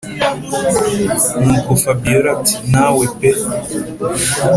nuko fabiora ati”ntawe pe”